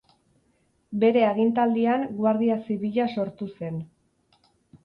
Bere agintaldian Guardia Zibila sortu zen.